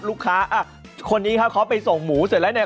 อ่ะคนนี้ครับเขาไปส่งหมูเสร็จแล้วเนี่ย